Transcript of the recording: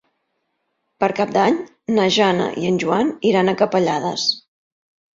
Per Cap d'Any na Jana i en Joan iran a Capellades.